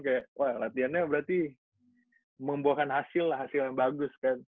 kayak wah latihannya berarti membuahkan hasil lah hasil yang bagus kan